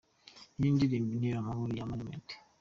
Iyi ni indirimbo ’Intero y’Amahoro’ ya Mani Martin:.